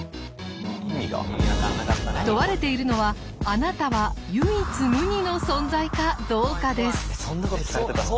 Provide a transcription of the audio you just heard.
問われているのはあなたは唯一無二の存在かどうかです。